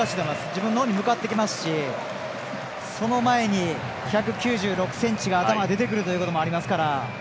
自分のほうに向かってきますしその前に１９６ｃｍが頭が出てくるということがありますから。